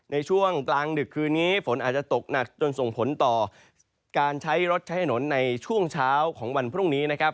ในช่วงกลางดึกคืนนี้ฝนอาจจะตกหนักจนส่งผลต่อการใช้รถใช้ถนนในช่วงเช้าของวันพรุ่งนี้นะครับ